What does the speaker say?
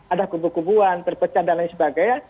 ada kubu kubuan terpecat dan lain sebagainya